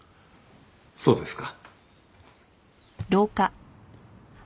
そうですか。